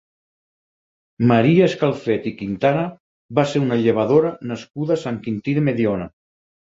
Maria Escalfet i Quintana va ser una llevadora nascuda a Sant Quintí de Mediona.